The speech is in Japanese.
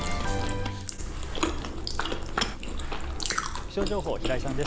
気象情報は平井さんです。